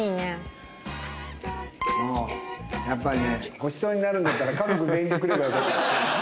ごちそうになるんだったら家族全員で来ればよかったっていう。